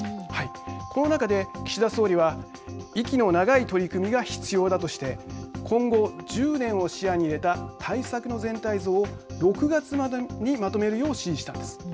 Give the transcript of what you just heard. この中で岸田総理は息の長い取り組みが必要だとして今後、１０年を視野に入れた対策の全体像を６月までにまとめるよう指示したんです。